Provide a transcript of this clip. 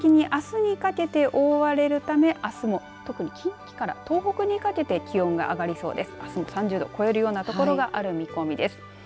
そしてこの空気にあすにかけて覆われるためあすも特に近畿から東北にかけて気温が上がりそうです。